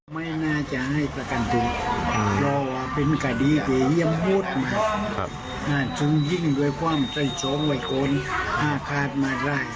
พ่อจะทำยังไงต่อครับจะไปยืนคัดคารไหมหรือว่าจะยังไงครับ